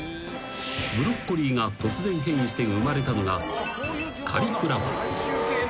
［ブロッコリーが突然変異して生まれたのがカリフラワー］